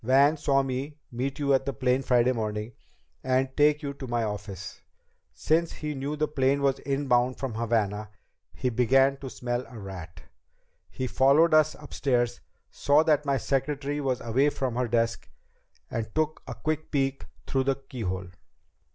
Van saw me meet you at the plane Friday morning and take you to my office. Since he knew the plane was inbound from Havana, he began to smell a rat. He followed us upstairs, saw that my secretary was away from her desk, and took a quick peek through the keyhole."